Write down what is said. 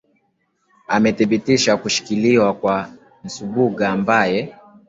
amethibitisha kushikiliwa kwa nsubuga ambaye